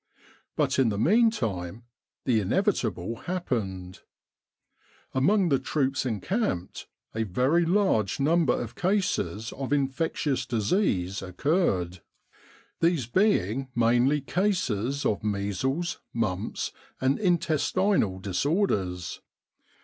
But in the meantime the inevitable happened. Among the troops encamped a very large number of cases of infectious disease occurred, these C 21 With the R.A.M.C. in Egypt being mainly cases of measles, mumps, and intestinal disorders.